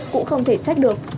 cũng không thể trách được